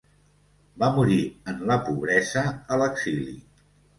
Va morir en la pobresa a l'exili.